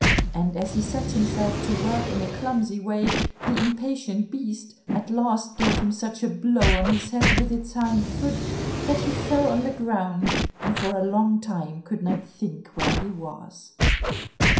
And as he set himself to work in a clumsy way, the impatient beast at last gave him such a blow on his head with its hind foot, that he fell on the ground, and for a long time could not think where he was.